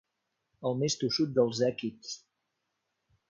El més tossut dels èquids.